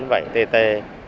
vảy tê tê